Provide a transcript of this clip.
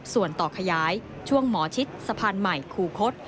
ส่วนต่อขยายช่วงหมอธิสภัณฑ์หมายคุ้คศ